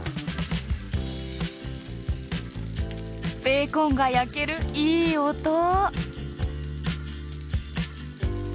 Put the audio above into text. ベーコンが焼けるいい音。